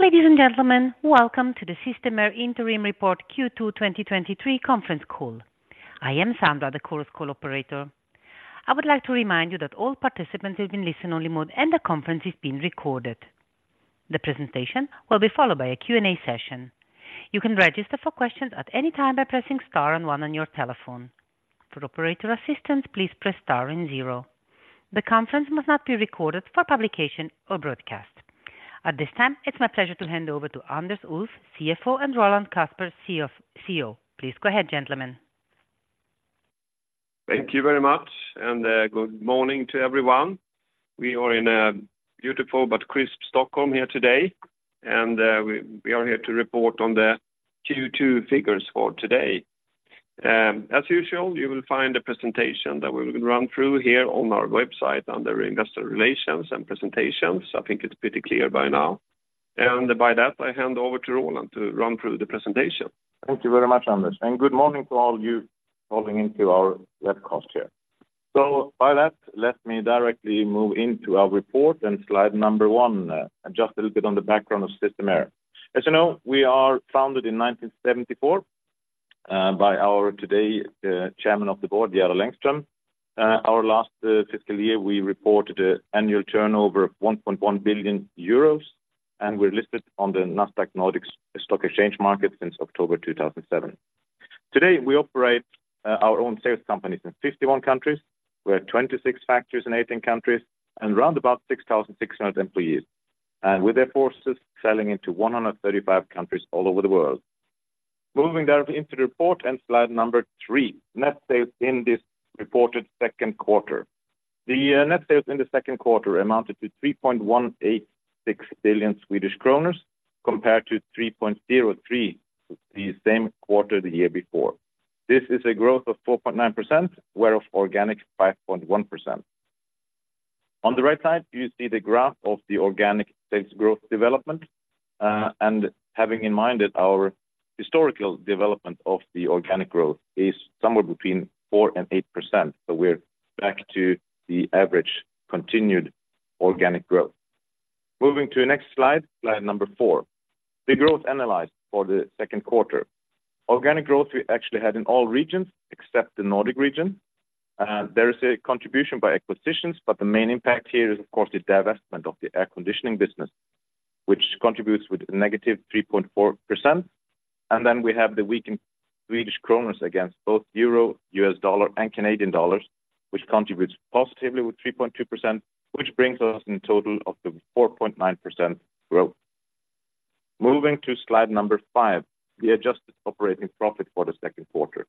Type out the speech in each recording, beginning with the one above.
Ladies and gentlemen, welcome to the Systemair Interim Report Q2 2023 conference call. I am Sandra, the conference call operator. I would like to remind you that all participants will be in listen-only mode, and the conference is being recorded. The presentation will be followed by a Q&A session. You can register for questions at any time by pressing star and one on your telephone. For operator assistance, please press star and zero. The conference must not be recorded for publication or broadcast. At this time, it's my pleasure to hand over to Anders Ulff, CFO, and Roland Kasper, CEO. Please go ahead, gentlemen. Thank you very much, and good morning to everyone. We are in a beautiful but crisp Stockholm here today, and we are here to report on the Q2 figures for today. As usual, you will find a presentation that we will run through here on our website under Investor Relations and Presentations. I think it's pretty clear by now, and by that, I hand over to Roland to run through the presentation. Thank you very much, Anders, and good morning to all of you calling into our webcast here. So by that, let me directly move into our report and slide number one, just a little bit on the background of Systemair. As you know, we are founded in 1974 by our today chairman of the board, Gerald Engström. Our last fiscal year, we reported an annual turnover of 1.1 billion euros, and we're listed on the Nasdaq OMX Nordic Exchange since October 2007. Today, we operate our own sales companies in 51 countries. We have 26 factories in 18 countries and round about 6,600 employees, and with their forces selling into 135 countries all over the world. Moving directly into the report and slide 3, net sales in this reported Q2. The net sales in the Q2 amounted to 3.186 billion Swedish kronor, compared to 3.03 billion, the same quarter the year before. This is a growth of 4.9%, whereof organic 5.1%. On the right side, you see the graph of the organic sales growth development, and having in mind that our historical development of the organic growth is somewhere between 4% and 8%, so we're back to the average continued organic growth. Moving to the next slide, slide 4. The growth analyzed for the Q2. Organic growth we actually had in all regions except the Nordic region. There is a contribution by acquisitions, but the main impact here is, of course, the divestment of the air conditioning business, which contributes with a negative 3.4%. And then we have the weakened Swedish krona against both euro, U.S. dollar, and Canadian dollars, which contributes positively with 3.2%, which brings us in total of the 4.9% growth. Moving to slide number 5, the adjusted operating profit for the Q2.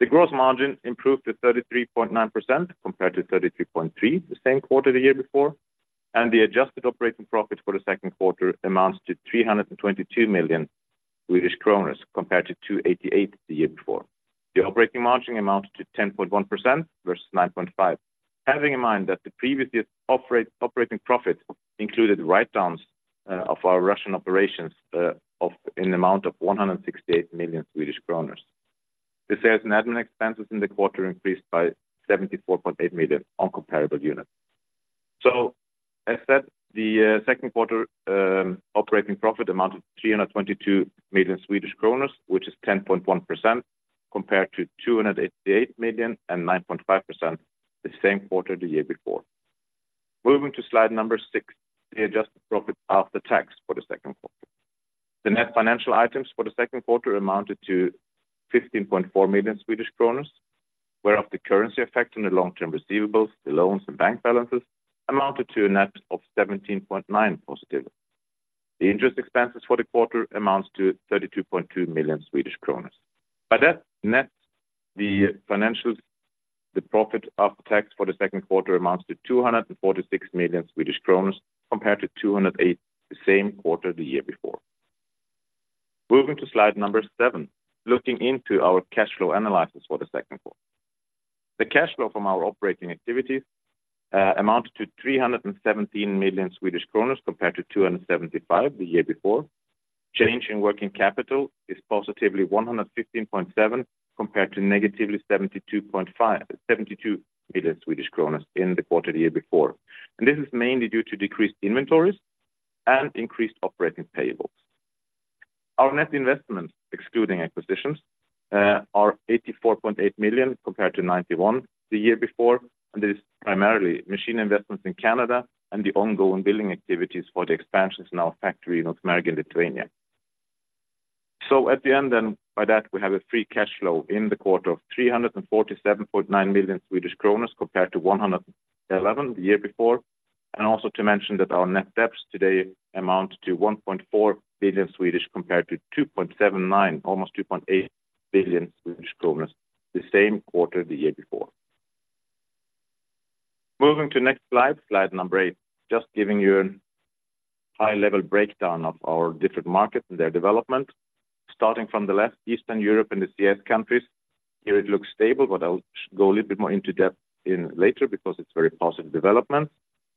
The gross margin improved to 33.9%, compared to 33.3%, the same quarter the year before, and the adjusted operating profit for the Q2 amounts to 322 million Swedish kronor, compared to 288 million the year before. The operating margin amounts to 10.1% versus 9.5%. Having in mind that the previous year's operating profit included write-downs of our Russian operations in the amount of 168 million Swedish kronor. The sales and admin expenses in the quarter increased by 74.8 million on comparable units. So as said, Q2 operating profit amount of 322 million Swedish kronor, which is 10.1%, compared to 288 million and 9.5% the same quarter the year before. Moving to slide number 6, the adjusted profit after tax for the Q2. The net financial items for the Q2 amounted to 15.4 million Swedish kronor, whereof the currency effect on the long-term receivables, the loans and bank balances, amounted to a net of 17.9 million positively. The interest expenses for the quarter amounts to 32.2 million Swedish kronor. By that net, the financials, the profit after tax for the Q2 amounts to 246 million, compared to 208, the same quarter the year before. Moving to slide 7, looking into our cash flow analysis for the Q2. The cash flow from our operating activities amounted to 317 million, compared to 275 the year before. Change in working capital is positively 115.7, compared to negatively 72.5 million Swedish kronor in the quarter the year before. This is mainly due to decreased inventories and increased operating payables. Our net investments, excluding acquisitions, are 84.8 million, compared to 91 the year before, and this is primarily machine investments in Canada and the ongoing building activities for the expansions in our factory in North America and Lithuania. So at the end, then, by that, we have a free cash flow in the quarter of 347.9 million Swedish kronor, compared to 111 the year before, and also to mention that our net debts today amount to 1.4 billion, compared to 2.79, almost 2.8 billion Swedish kronors, the same quarter the year before. Moving to next slide, slide number 8, just giving you a high-level breakdown of our different markets and their development, starting from the left, Eastern Europe and the CIS countries. Here it looks stable, but I'll go a little bit more into depth in later because it's very positive development.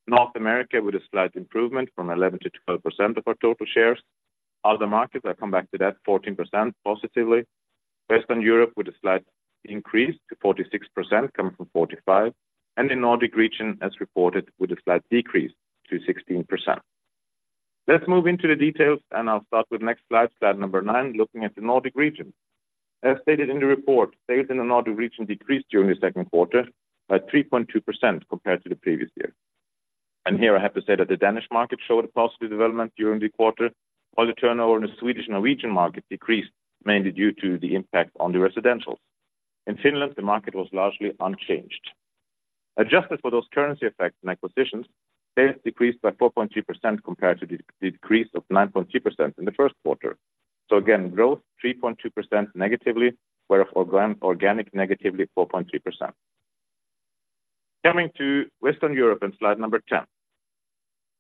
North America, with a slight improvement from 11%-12% of our total shares. Other markets, I come back to that 14% positively. Western Europe with a slight increase to 46%, coming from 45%, and the Nordic region, as reported, with a slight decrease to 16%. Let's move into the details, and I'll start with next slide, slide 9, looking at the Nordic region. As stated in the report, sales in the Nordic region decreased during the Q2 by 3.2% compared to the previous year. Here I have to say that the Danish market showed a positive development during the quarter, while the turnover in the Swedish and Norwegian market decreased, mainly due to the impact on the residentials. In Finland, the market was largely unchanged. Adjusted for those currency effects and acquisitions, sales decreased by 4.3% compared to the decrease of 9.3% in the Q1. So again, growth 3.2% negatively, where organic negatively 4.3%. Coming to Western Europe on slide 10.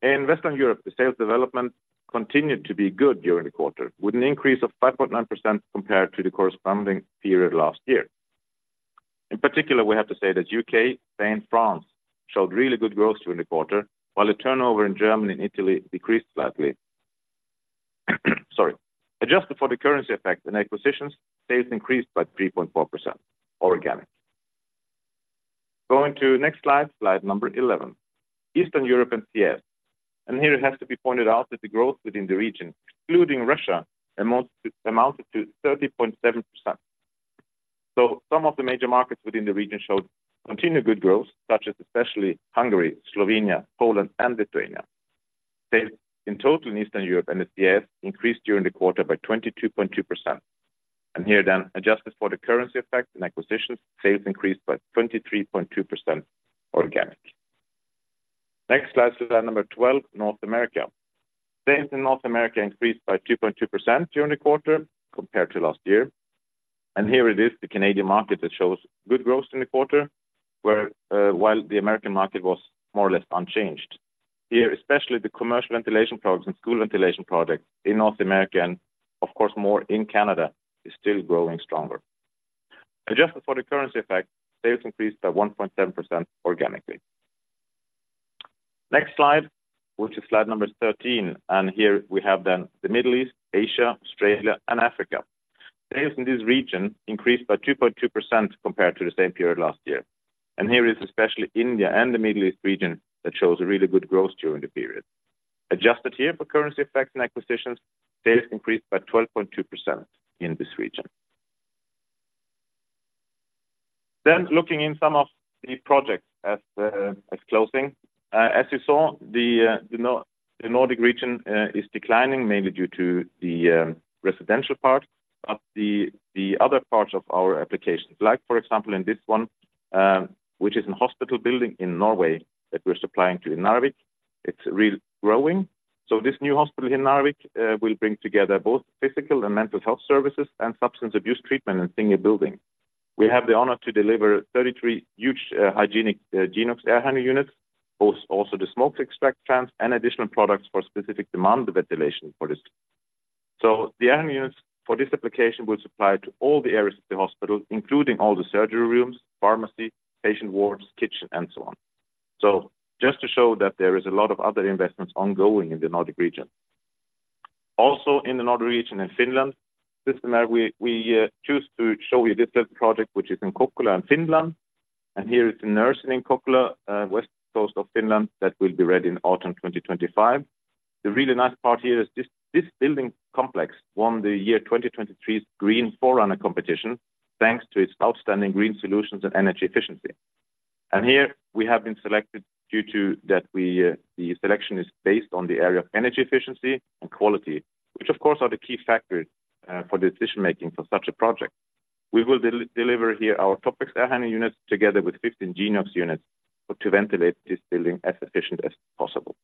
In Western Europe, the sales development continued to be good during the quarter, with an increase of 5.9% compared to the corresponding period last year. In particular, we have to say that U.K., Spain, France showed really good growth during the quarter, while the turnover in Germany and Italy decreased slightly. Sorry. Adjusted for the currency effect and acquisitions, sales increased by 3.4% organic. Going to next slide, slide 11. Eastern Europe and CIS, and here it has to be pointed out that the growth within the region, excluding Russia, amounted to 30.7%. So some of the major markets within the region showed continued good growth, such as especially Hungary, Slovenia, Poland, and Lithuania. Sales in total in Eastern Europe and the CIS increased during the quarter by 22.2%. And here then, adjusted for the currency effect and acquisitions, sales increased by 23.2% organic. Next slide, slide number 12, North America. Sales in North America increased by 2.2% during the quarter compared to last year. And here it is, the Canadian market that shows good growth in the quarter, where while the American market was more or less unchanged. Here, especially the commercial ventilation products and school ventilation products in North America and, of course, more in Canada, is still growing stronger. Adjusted for the currency effect, sales increased by 1.7% organically. Next slide, which is slide number 13, and here we have then the Middle East, Asia, Australia, and Africa. Sales in this region increased by 2.2% compared to the same period last year. Here it is, especially India and the Middle East region, that shows a really good growth during the period. Adjusted here for currency effects and acquisitions, sales increased by 12.2% in this region. Then looking in some of the projects closing. As you saw, the Nordic region is declining, mainly due to the residential part, but the other parts of our applications, like, for example, in this one, which is in hospital building in Norway that we're supplying to in Narvik, it's really growing. So this new hospital in Narvik will bring together both physical and mental health services and substance abuse treatment in a single building. We have the honor to deliver 33 huge hygienic Geniox air handling units, both also the smoke extract fans and additional products for specific demand ventilation for this. So the air units for this application will supply to all the areas of the hospital, including all the surgery rooms, pharmacy, patient wards, kitchen, and so on. So just to show that there is a lot of other investments ongoing in the Nordic region. Also in the Nordic region, in Finland, Systemair, we choose to show you this project, which is in Kokkola in Finland, and here is the nursing in Kokkola, west coast of Finland, that will be ready in autumn 2025. The really nice part here is this building complex won the 2023's Green Forerunner competition, thanks to its outstanding green solutions and energy efficiency. And here we have been selected due to that we, the selection is based on the area of energy efficiency and quality, which of course, are the key factors, for decision-making for such a project. We will deliver here our Topvex air handling units together with 15 Geniox units, to ventilate this building as efficient as possible.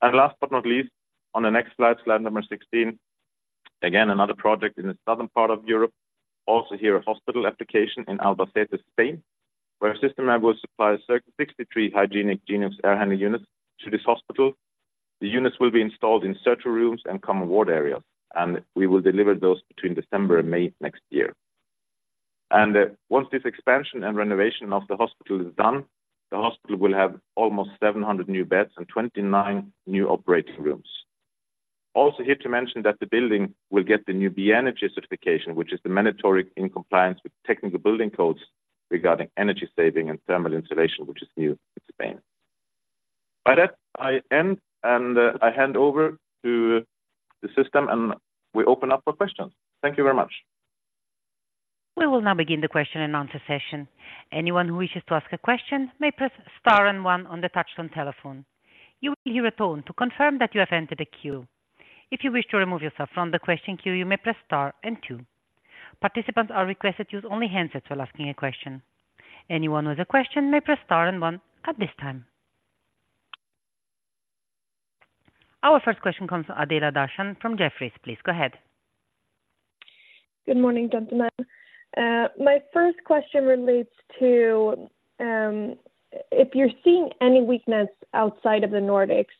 And last but not least, on the next slide, slide number 16. Again, another project in the southern part of Europe. Also, here, a hospital application in Albacete, Spain, where Systemair will supply 63 hygienic Geniox air handling units to this hospital. The units will be installed in surgery rooms and common ward areas, and we will deliver those between December and May next year. And, once this expansion and renovation of the hospital is done, the hospital will have almost 700 new beds and 29 new operating rooms. Also, here to mention that the building will get the new B Energy Certification, which is the mandatory in compliance with technical building codes regarding energy saving and thermal insulation, which is new in Spain. By that, I end, and, I hand over to the system, and we open up for questions. Thank you very much. We will now begin the Q&A session. Anyone who wishes to ask a question may press star and one on the touchtone telephone. You will hear a tone to confirm that you have entered the queue. If you wish to remove yourself from the question queue, you may press star and two. Participants are requested to use only handsets while asking a question. Anyone with a question may press star and one at this time. Our first question comes from Adela Dashian from Jefferies. Please go ahead. Good morning, gentlemen. My first question relates to if you're seeing any weakness outside of the Nordics,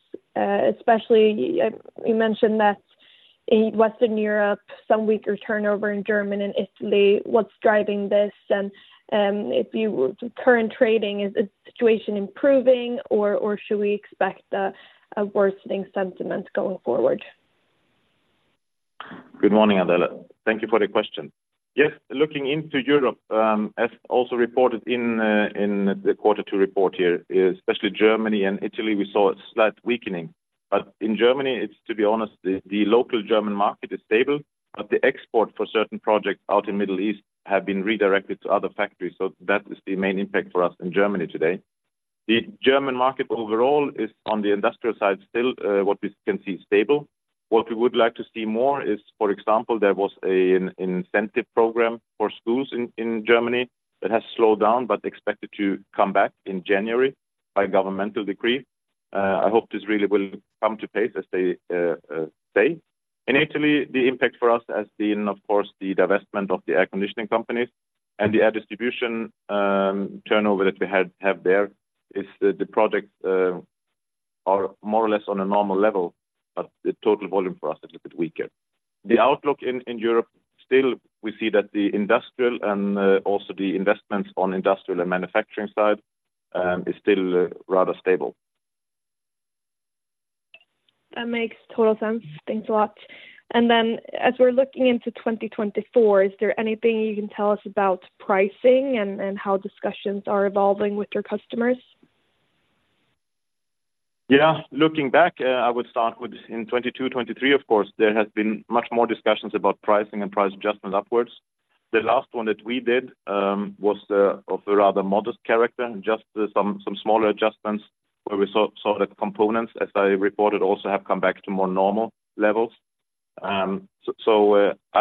especially you mentioned that in Western Europe, some weaker turnover in Germany and Italy. What's driving this? And, current trading, is the situation improving or should we expect a worsening sentiment going forward? Good morning, Adela. Thank you for the question. Yes, looking into Europe, as also reported in the quarter two report here, especially Germany and Italy, we saw a slight weakening. But in Germany, it's to be honest, the local German market is stable, but the export for certain projects out in Middle East have been redirected to other factories. So that is the main impact for us in Germany today. The German market overall is on the industrial side, still what we can see stable. What we would like to see more is, for example, there was an incentive program for schools in Germany that has slowed down, but expected to come back in January by governmental decree. I hope this really will come to pace, as they say. In Italy, the impact for us has been, of course, the divestment of the air conditioning companies and the air distribution turnover that we had. The projects are more or less on a normal level, but the total volume for us is a bit weaker. The outlook in Europe still, we see that the industrial and also the investments on industrial and manufacturing side is still rather stable. That makes total sense. Thanks a lot. And then, as we're looking into 2024, is there anything you can tell us about pricing and how discussions are evolving with your customers? Yeah. Looking back, I would start with in 2023, of course, there has been much more discussions about pricing and price adjustments upwards. The last one that we did was of a rather modest character, just some smaller adjustments where we saw that components, as I reported, also have come back to more normal levels. I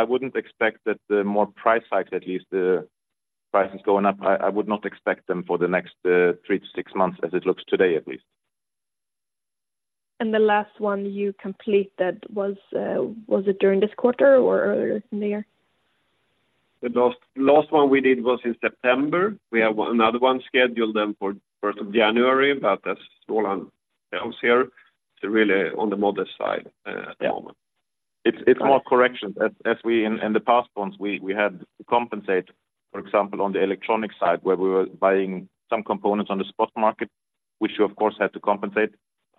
wouldn't expect that the more price hikes, at least, the prices going up. I would not expect them for the next three to six months as it looks today, at least. And the last one you completed was it during this quarter or earlier in the year? The last one we did was in September. We have one, another one scheduled then for first of January, but that's small on else here. So really on the modest side at the moment. It's more correction. As we, in the past, once we had to compensate, for example, on the electronic side, where we were buying some components on the spot market, which you, of course, had to compensate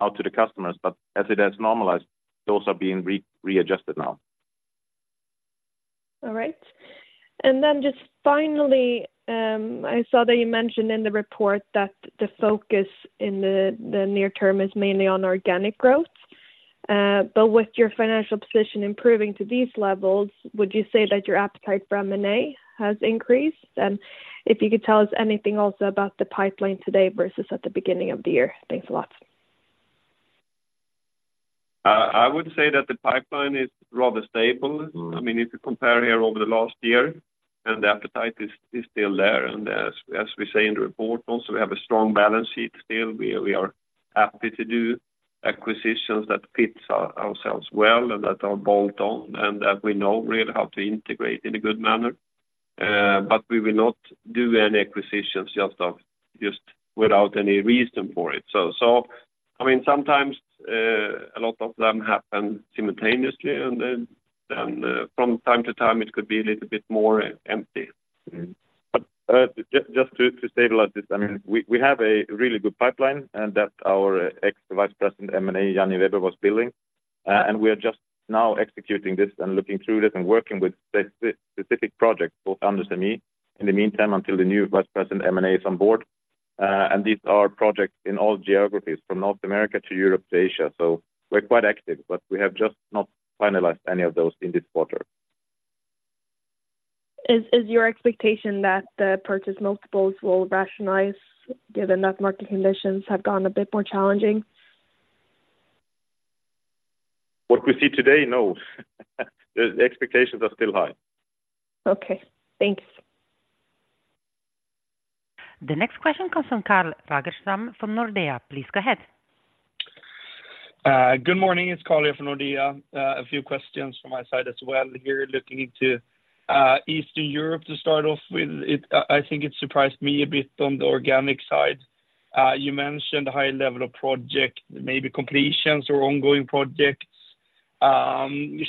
out to the customers. But as it has normalized, those are being readjusted now. All right. And then just finally, I saw that you mentioned in the report that the focus in the near term is mainly on organic growth. But with your financial position improving to these levels, would you say that your appetite for M&A has increased? And if you could tell us anything also about the pipeline today versus at the beginning of the year? Thanks a lot. I would say that the pipeline is rather stable. I mean, if you compare here over the last year, and the appetite is still there. And as we say in the report also, we have a strong balance sheet still. We are happy to do acquisitions that fits our, ourselves well and that are bolt-on, and that we know really how to integrate in a good manner. But we will not do any acquisitions just without any reason for it. So, I mean, sometimes a lot of them happen simultaneously, and then from time to time, it could be a little bit more empty. Just to stabilize this, I mean, we have a really good pipeline, and that our former Vice President M&A, Janni Weber, was building, and we are just now executing this and looking through this and working with specific projects, both under him in the meantime, until the new Vice President M&A is on board. And these are projects in all geographies, from North America to Europe to Asia. So we're quite active, but we have just not finalized any of those in this quarter. Is your expectation that the purchase multiples will rationalize, given that market conditions have gone a bit more challenging? What we see today, no. The expectations are still high. Okay, thanks. The next question comes from Carl Fagerström, from Nordea. Please go ahead. Good morning. It's Carl from Nordea. A few questions from my side as well here, looking into Eastern Europe to start off with. I think it surprised me a bit on the organic side. You mentioned a high level of project, maybe completions or ongoing projects.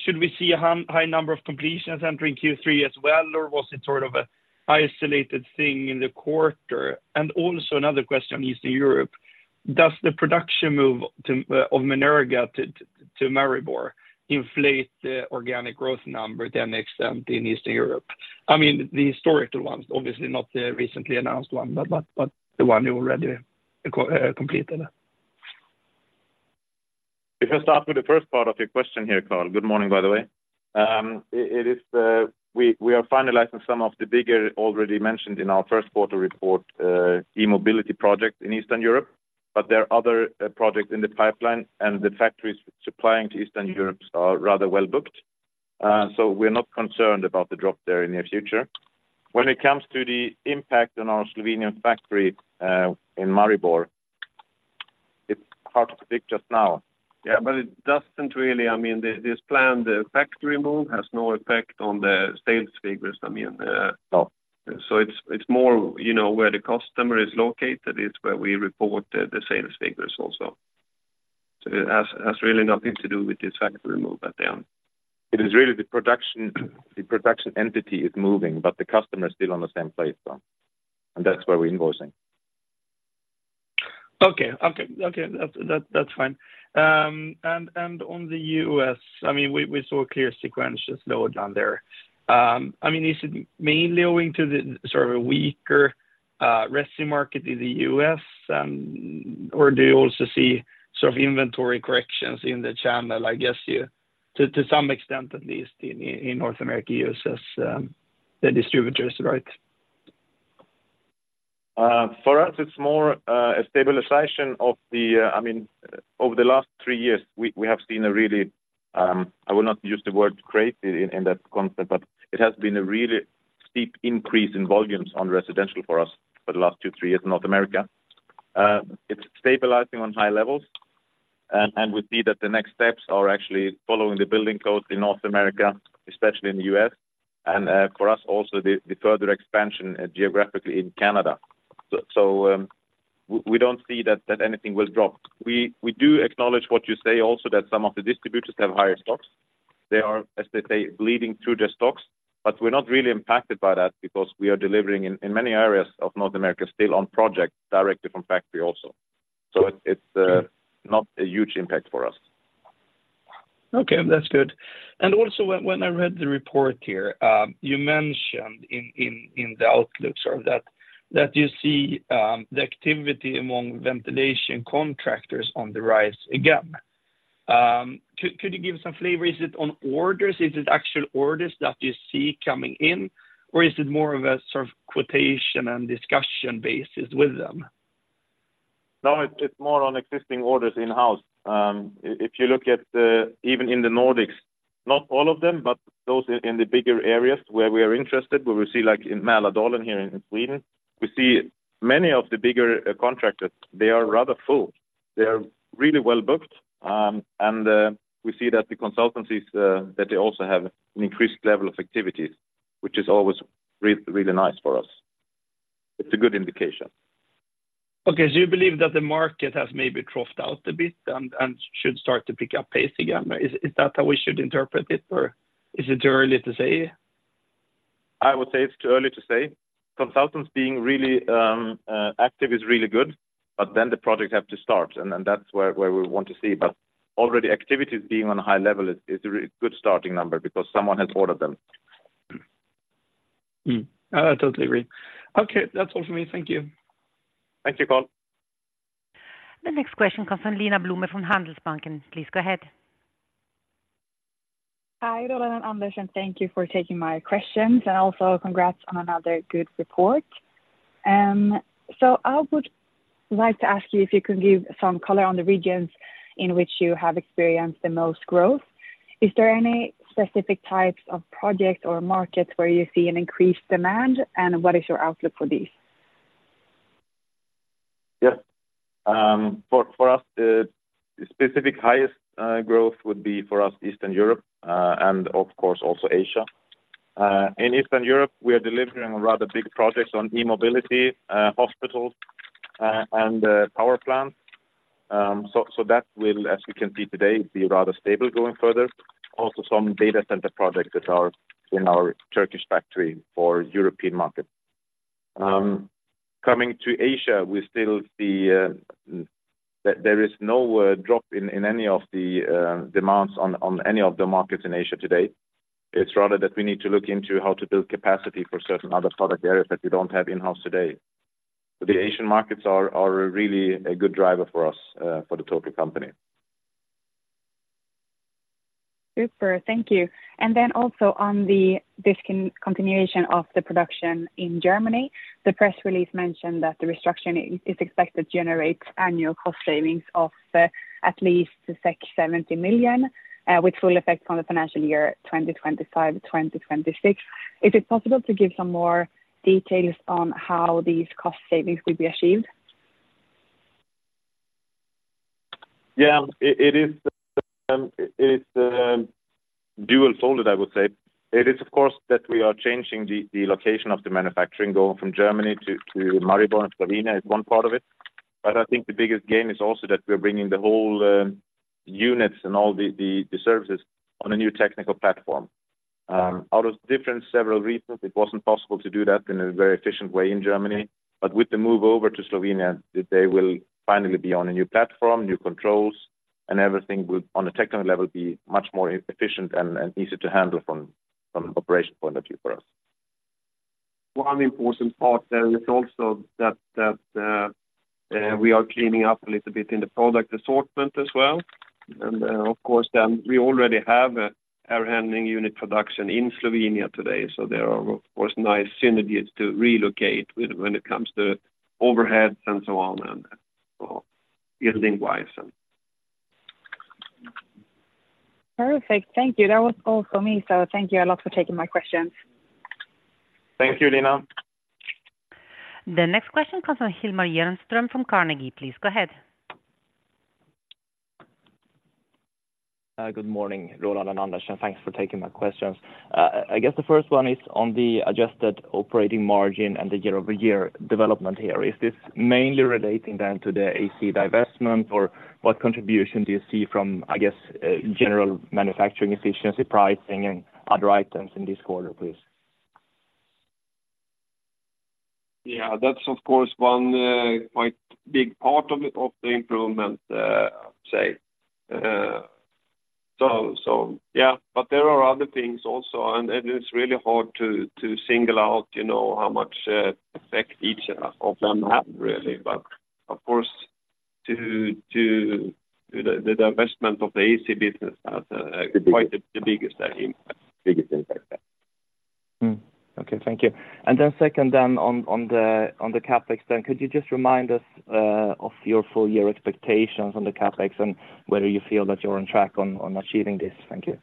Should we see a high number of completions entering Q3 as well, or was it sort of an isolated thing in the quarter? And also another question on Eastern Europe: Does the production move of Menerga to Maribor inflate the organic growth number the next time in Eastern Europe? I mean, the historical ones, obviously not the recently announced one, but the one you already completed. If I start with the first part of your question here, Carl. Good morning, by the way. It is, we are finalizing some of the bigger, already mentioned in our Q1 report, e-mobility project in Eastern Europe, but there are other projects in the pipeline, and the factories supplying to Eastern Europe are rather well booked. So we're not concerned about the drop there in the near future. When it comes to the impact on our Slovenian factory in Maribor, it's hard to predict just now. Yeah, but it doesn't really, I mean, this plan, the factory move, has no effect on the sales figures. I mean, Oh. So it's more, you know, where the customer is located is where we report the sales figures also. So it has really nothing to do with this factory move at the end. It is really the production, the production entity is moving, but the customer is still on the same place, though, and that's where we're invoicing. Okay, that's fine. And on the U.S., I mean, we saw a clear sequential slowdown there. I mean, is it mainly owing to the sort of a weaker resi market in the U.S., or do you also see sort of inventory corrections in the channel? I guess you, to some extent, at least in North America, you assess the distributors, right? For us, it's more a stabilization of the, I mean, over the last three years, we, we have seen a really, I will not use the word crazy in, in that concept, but it has been a really steep increase in volumes on residential for us for the last two to three years in North America. It's stabilizing on high levels, and, and we see that the next steps are actually following the building codes in North America, especially in the U.S., and, for us also the, the further expansion geographically in Canada. So, so, we, we don't see that, that anything will drop. We, we do acknowledge what you say also, that some of the distributors have higher stocks. They are, as they say, leading through their stocks, but we're not really impacted by that because we are delivering in many areas of North America, still on project directly from factory also. So it's not a huge impact for us. Okay, that's good. And also, when I read the report here, you mentioned in the outlook sort of that you see the activity among ventilation contractors on the rise again. Could you give some flavor? Is it on orders? Is it actual orders that you see coming in, or is it more of a sort of quotation and discussion basis with them? No, it's more on existing orders in-house. If you look at them even in the Nordics, not all of them, but those in the bigger areas where we are interested, where we see, like in Mälardalen here in Sweden, we see many of the bigger contractors, they are rather full. They are really well booked, and we see that the consultancies that they also have an increased level of activities, which is always really nice for us. It's a good indication. Okay, so you believe that the market has maybe troughed out a bit and should start to pick up pace again? Is that how we should interpret it, or is it too early to say? I would say it's too early to say. Consultants being really active is really good, but then the projects have to start, and then that's where we want to see. But already activities being on a high level is a really good starting number because someone has ordered them. I totally agree. Okay, that's all for me. Thank you. Thank you, Carl. The next question comes from Lina Blume, from Handelsbanken. Please go ahead. Hi, Roland and Anders, and thank you for taking my questions, and also congrats on another good report. So, I would like to ask you if you could give some color on the regions in which you have experienced the most growth. Is there any specific types of projects or markets where you see an increased demand, and what is your outlook for these? Yes. For us, the specific highest growth would be for us, Eastern Europe, and of course, also Asia. In Eastern Europe, we are delivering rather big projects on e-mobility, hospitals, and power plants. So, that will, as you can see today, be rather stable going further. Also, some data center projects that are in our Turkish factory for European market. Coming to Asia, we still see that there is no drop in any of the demands on any of the markets in Asia today. It's rather that we need to look into how to build capacity for certain other product areas that we don't have in-house today. But the Asian markets are really a good driver for us, for the Torca company. Super, thank you. And then also on the discontinuation of the production in Germany, the press release mentioned that the restructuring is expected to generate annual cost savings of at least 70 million, with full effect from the financial year 2025 to 2026. Is it possible to give some more details on how these cost savings will be achieved? Yeah, it is dual folded, I would say. It is, of course, that we are changing the location of the manufacturing, going from Germany to Maribor, and Slovenia is one part of it. But I think the biggest gain is also that we're bringing the whole units and all the services on a new technical platform. Out of different several reasons, it wasn't possible to do that in a very efficient way in Germany, but with the move over to Slovenia, they will finally be on a new platform, new controls, and everything would, on a technical level, be much more efficient and easier to handle from an operation point of view for us. One important part there is also that we are cleaning up a little bit in the product assortment as well. Of course, then we already have an air handling unit production in Slovenia today, so there are, of course, nice synergies to relocate when it comes to overheads and so on, and so building-wise, and... Perfect. Thank you. That was all for me, so thank you a lot for taking my questions. Thank you, Lina. The next question comes from Hjalmar Jernström, from Carnegie. Please go ahead. Good morning, Roland and Anders, and thanks for taking my questions. I guess the first one is on the adjusted operating margin and the year-over-year development here. Is this mainly relating then to the AC divestment, or what contribution do you see from, I guess, general manufacturing efficiency, pricing, and other items in this quarter, please? Yeah, that's of course one quite big part of it, of the improvement, say. So, yeah, but there are other things also, and it is really hard to single out, you know, how much effect each of them have, really. But of course, the divestment of the AC business has quite the biggest impact. Biggest impact. Okay, thank you. And then second, on the CapEx, could you just remind us of your full year expectations on the CapEx and whether you feel that you're on track on achieving this? Thank you.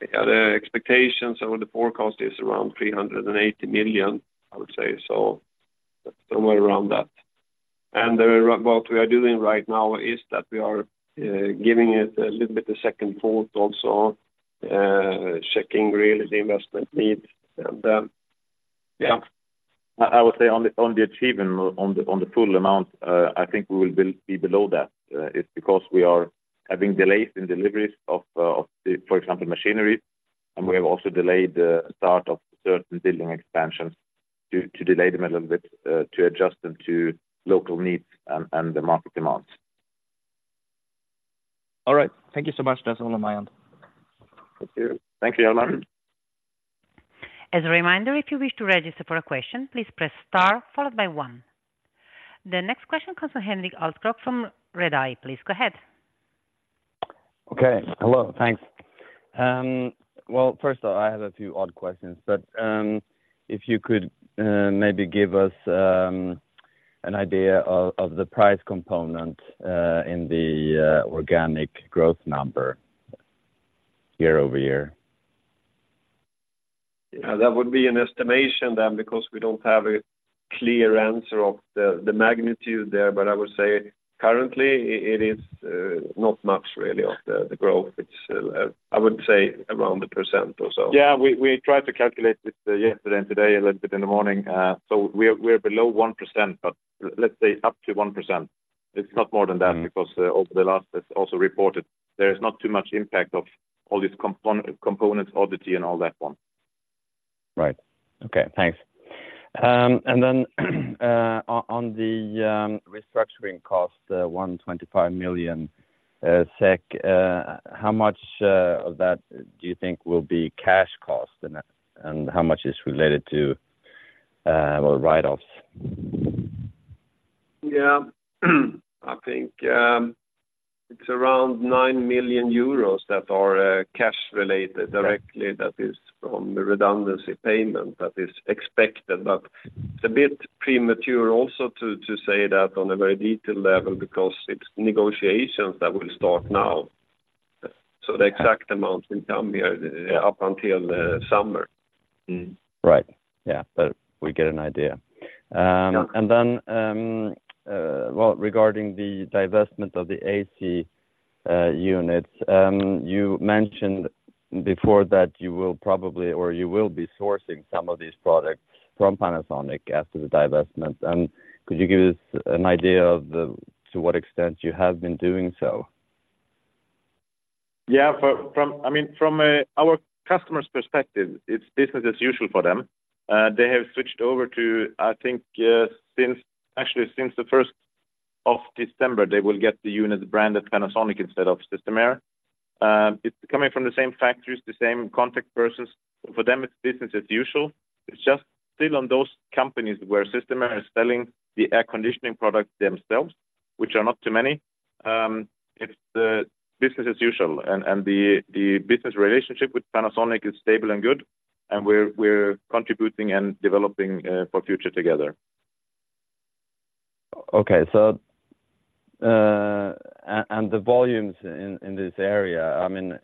Yeah. The expectations or the forecast is around 380 million, I would say. So somewhere around that. And then what we are doing right now is that we are giving it a little bit a second thought also, checking really the investment needs. And, yeah. I would say on the achievement of the full amount, I think we will be below that. It's because we are having delays in deliveries of the, for example, machinery, and we have also delayed the start of certain building expansions to delay them a little bit, to adjust them to local needs and the market demands. All right. Thank you so much. That's all on my end. Thank you, Hjalmar. As a reminder, if you wish to register for a question, please press star followed by one. The next question comes from Henrik Alveskog from Redeye. Please go ahead. Okay. Hello, thanks. Well, first of all, I have a few odd questions, but if you could maybe give us an idea of the price component in the organic growth number year-over-year. Yeah, that would be an estimation then, because we don't have a clear answer of the magnitude there, but I would say currently it is not much really of the, the growth. It's, I would say around 1% or so. Yeah, we tried to calculate it yesterday and today a little bit in the morning. So we're below 1%, but let's say up to 1%. It's not more than that because over the last, it's also reported there is not too much impact of all these components, Audity, and all that one. Right. Okay, thanks. And then, on the restructuring cost, the 125 million SEK, how much of that do you think will be cash cost, and how much is related to well, write-offs? Yeah. I think, it's around 9 million euros that are cash related directly. That is from the redundancy payment that is expected, but it's a bit premature also to say that on a very detailed level, because it's negotiations that will start now. So the exact amount will come here up until summer. Right. Yeah, but we get an idea. Yeah. Regarding the divestment of the AC units, you mentioned before that you will probably or you will be sourcing some of these products from Panasonic after the divestment. Could you give us an idea of to what extent you have been doing so? Yeah. From, I mean, from our customer's perspective, it's business as usual for them. They have switched over to, I think, since, actually, since the December 1st, they will get the units branded Panasonic instead of Systemair. It's coming from the same factories, the same contact persons. For them, it's business as usual. It's just still on those companies where Systemair is selling the air conditioning products themselves, which are not too many. It's the business as usual, and the business relationship with Panasonic is stable and good, and we're contributing and developing for future together. Okay. So, the volumes in this area, I mean,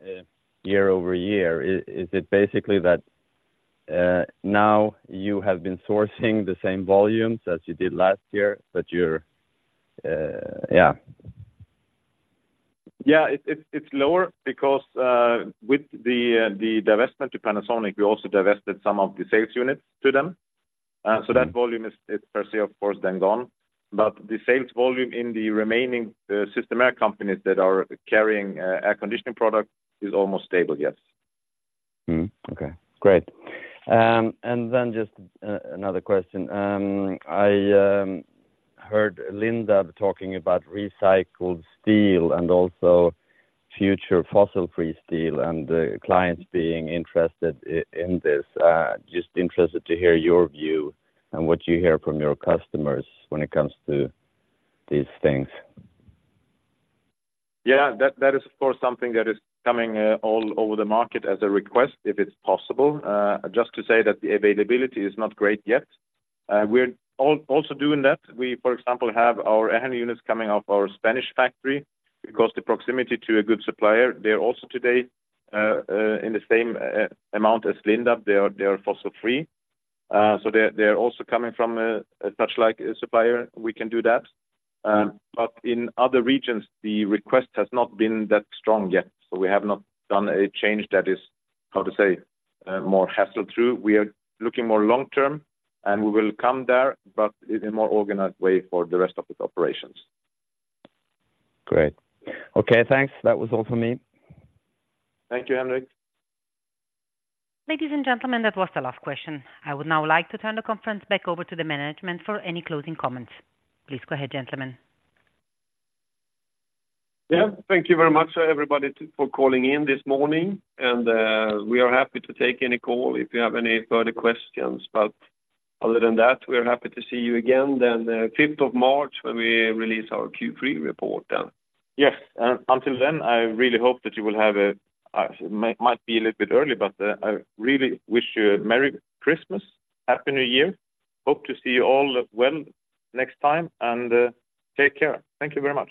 year-over-year, is it basically that now you have been sourcing the same volumes as you did last year, but you're - yeah. Yeah, it's lower because with the divestment to Panasonic, we also divested some of the sales units to them. So that volume is per se of course then gone. But the sales volume in the remaining Systemair companies that are carrying air conditioning product is almost stable, yes. Okay, great. And then just another question. I heard Lindab talking about recycled steel and also future fossil-free steel and the clients being interested in this. Just interested to hear your view and what you hear from your customers when it comes to these things. Yeah, that is, of course, something that is coming all over the market as a request, if it's possible. Just to say that the availability is not great yet. We're also doing that. We, for example, have our AHU units coming off our Spanish factory because the proximity to a good supplier, they're also today in the same amount as Lindab, they are, they are fossil-free. So they're also coming from a such-like supplier. We can do that. But in other regions, the request has not been that strong yet, so we have not done a change that is, how to say, more hassle through. We are looking more long term, and we will come there, but in a more organized way for the rest of the operations. Great. Okay, thanks. That was all for me. Thank you, Henrik. Ladies and gentlemen, that was the last question. I would now like to turn the conference back over to the management for any closing comments. Please go ahead, gentlemen. Yeah, thank you very much, everybody, for calling in this morning, and we are happy to take any call if you have any further questions. But other than that, we are happy to see you again, then the March 5th, when we release our Q3 report then. Yes, and until then, I really hope that you will have a might be a little bit early, but I really wish you a merry Christmas, happy New Year. Hope to see you all well next time, and take care. Thank you very much.